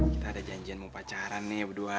kita ada janjian mau pacaran nih berdua